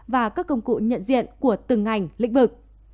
và các công cụ nhận diện của từng ngành lĩnh vực